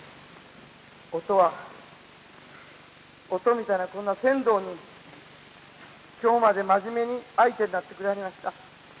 於兎みたいなこんな船頭に今日まで真面目に相手になってくれはりました。